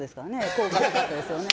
効果なかったですよね。